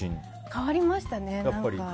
変わりましたね。